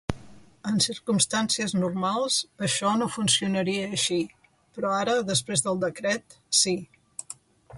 En circumstàncies normals, això no funcionaria així, però ara, després del decret, sí.